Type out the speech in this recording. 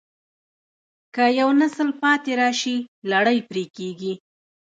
که یو نسل پاتې راشي، لړۍ پرې کېږي.